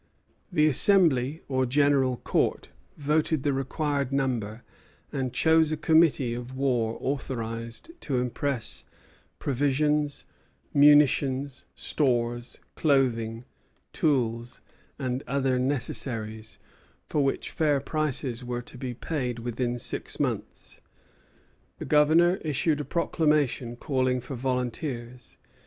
The Assembly or "General Court" voted the required number, and chose a committee of war authorized to impress provisions, munitions, stores, clothing, tools, and other necessaries, for which fair prices were to be paid within six months. The Governor issued a proclamation calling for volunteers.